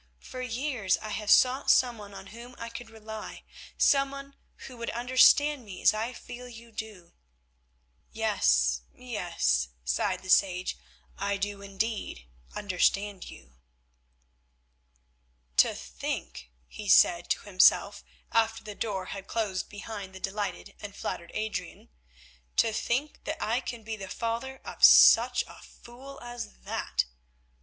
"For years I have sought someone on whom I could rely, someone who would understand me as I feel you do." "Yes, yes," sighed the sage, "I do indeed understand you." "To think," he said to himself after the door had closed behind the delighted and flattered Adrian, "to think that I can be the father of such a fool as that.